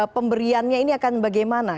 pemberiannya ini akan bagaimana